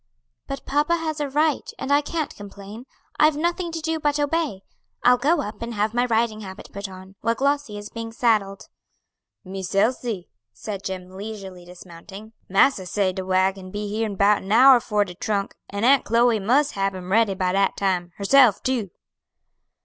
"But papa has a right, and I can't complain. I've nothing to do but obey. I'll go up and have my riding habit put on, while Glossy is being saddled." "Miss Elsie," said Jim, leisurely dismounting, "massa say de wagon be here in 'bout an hour for de trunk, an' Aunt Chloe mus' hab 'em ready by dat time; herself too."